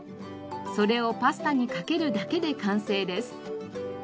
それをパスタにかけるだけで完成です。